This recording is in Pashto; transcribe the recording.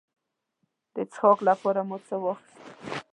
د څښاک لپاره مو څه واخیستل.